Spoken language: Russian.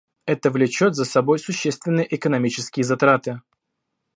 Это влечет за собой существенные экономические затраты